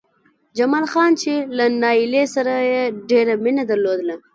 جمال خان چې له نايلې سره يې ډېره مينه درلوده